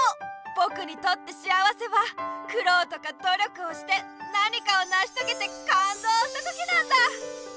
ぼくにとって幸せはくろうとかどりょくをして何かをなしとげてかんどうした時なんだ！